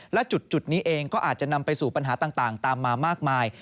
และจุดนี้เองก็อาจจะนำไปสู่ปัญหาต่างตามมามากมาย